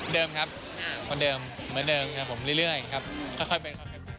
เดิมครับเหมือนเดิมครับผมเรื่อยครับค่อยไป